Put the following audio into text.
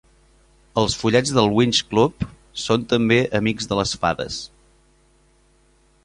Els follets del "Winx Club" són també amics de les fades.